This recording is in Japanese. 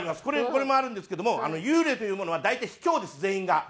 これもあるんですけども幽霊というものは大体卑怯です全員が。